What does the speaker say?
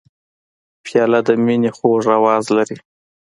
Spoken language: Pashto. پیاله د مینې خوږ آواز لري.